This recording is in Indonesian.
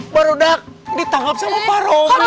baru dah ditangkap sama kaki itu